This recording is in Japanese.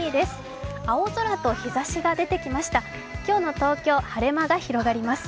今日の東京、晴れ間が広がります。